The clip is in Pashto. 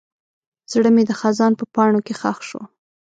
زړه مې د خزان په پاڼو کې ښخ شو.